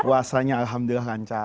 puasanya alhamdulillah lancar